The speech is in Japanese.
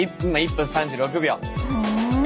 ふん。